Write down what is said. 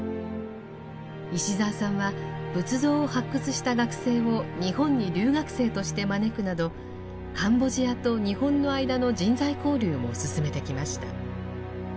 石澤さんは仏像を発掘した学生を日本に留学生として招くなどカンボジアと日本の間の人材交流も進めてきました。